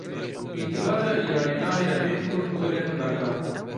Îtilata Îranê nahêle pênc Kurd werin berdan.